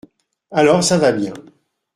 Alors, ça va bien !…